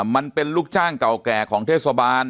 มันเป็นลูกจ้างเก่าแก่ของเทศบาล